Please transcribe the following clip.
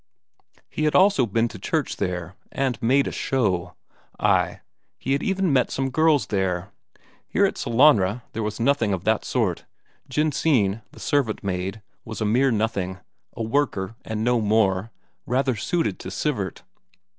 He had also been to church there, and made a show; ay, he had even met some girls there. Here at Sellanraa there was nothing of that sort; Jensine, the servant maid, was a mere nothing, a worker and no more, rather suited to Sivert.